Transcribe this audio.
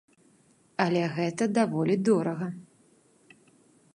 Але гэта даволі дорага.